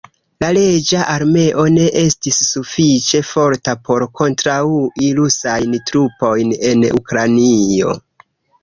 La reĝa armeo ne estis sufiĉe forta por kontraŭi rusajn trupojn en Ukrainio.